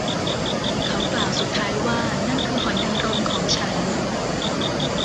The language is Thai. เขากล่าวสุดท้ายว่า นั่นคือหอยนางรมของฉัน